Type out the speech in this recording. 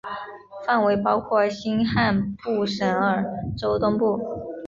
范围包括新罕布什尔州东部。